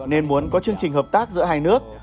nên muốn có chương trình hợp tác giữa hai nước